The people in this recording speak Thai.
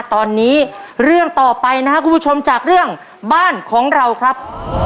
ตอนนี้เรื่องต่อไปนะครับคุณผู้ชมจากเรื่องบ้านของเราครับ